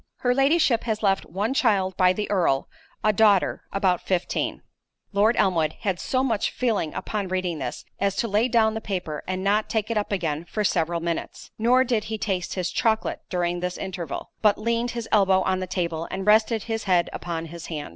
Her Ladyship has left one child by the Earl, a daughter, about fifteen." Lord Elmwood had so much feeling upon reading this, as to lay down the paper, and not take it up again for several minutes—nor did he taste his chocolate during this interval, but leaned his elbow on the table and rested his head upon his hand.